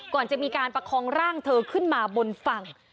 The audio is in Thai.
ก่อนจะมีการประคองร่างเธอขึ้นมาบนฝั่ง